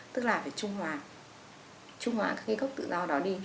tức là phải trung hòa trung hòa các cái gốc tự do đó đi